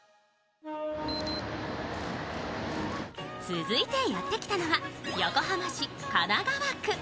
続いてやってきたのは横浜市神奈川区。